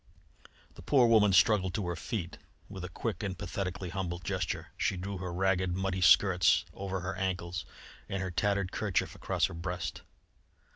The poor woman struggled to her feet. With a quick and pathetically humble gesture she drew her ragged, muddy skirts over her ankles and her tattered kerchief across her breast.